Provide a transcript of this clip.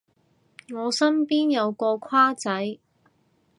我身邊有個跨仔